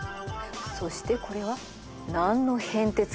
そしてこれは何の変哲もない棒。